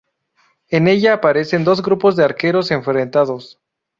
En ella aparecen dos grupos de arqueros enfrentados.